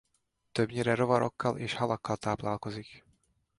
Többnyire rovarokkal és halakkal táplálkozik.